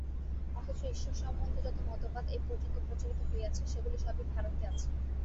অথচ ঈশ্বর সম্বন্ধে যত মতবাদ এ পর্যন্ত প্রচারিত হইয়াছে, সেগুলি সবই ভারতে আছে।